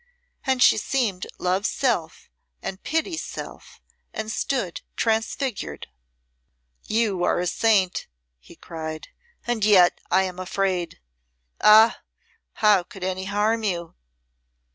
And she seemed Love's self and Pity's self, and stood transfigured. "You are a saint," he cried; "and yet I am afraid. Ah! how could any harm you?"